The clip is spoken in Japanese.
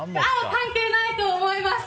関係ないと思います。